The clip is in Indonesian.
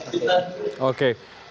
tidak ada perang